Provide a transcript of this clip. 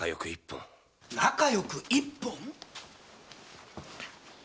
仲良く一本？